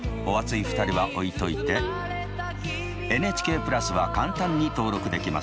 お熱い２人は置いといてＮＨＫプラスは簡単に登録できます。